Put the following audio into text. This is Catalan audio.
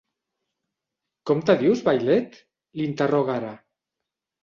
Com te dius, vailet? —l'interroga ara.